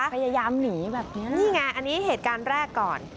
พยายามหนีแบบนี้นี่ไงอันนี้เหตุการณ์แรกก่อน